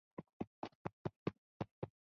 د ځنګلونو د مینځلو کمښت چاپیریال ته زیان رسوي.